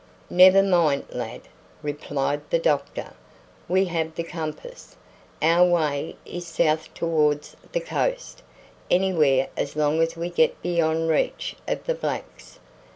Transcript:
"Never mind, lad," replied the doctor; "we have the compass. Our way is south towards the coast anywhere as long as we get beyond reach of the blacks.